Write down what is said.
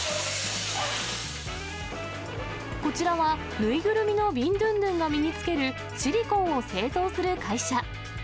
こちらは、縫いぐるみのビンドゥンドゥンが身につけるシリコンを製造する会社。